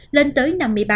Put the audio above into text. lên tới năm mươi năm